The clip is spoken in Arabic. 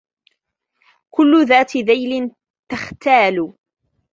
كل ذات ذيل تختال